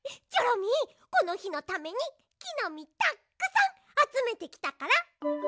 チョロミーこのひのためにきのみたっくさんあつめてきたから。